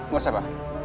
gak usah pa